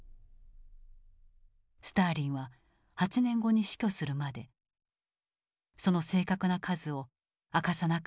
スターリンは８年後に死去するまでその正確な数を明かさなかった。